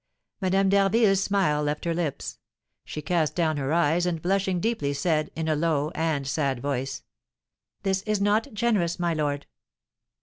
Madame d'Harville's smile left her lips. She cast down her eyes, and, blushing deeply, said, in a low and sad voice, "This is not generous, my lord!"